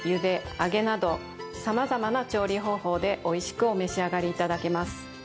さまざまな調理方法でおいしくお召し上がりいただけます。